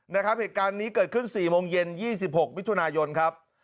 นะครับเหตุการณ์นี้เกิดขึ้น๔โมงเย็น๒๖มิถุนายนครับ